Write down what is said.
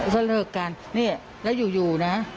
ก็เลิกกันนี่แล้วอยู่นะ